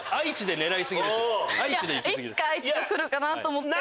いつか愛知がくるかなと思って。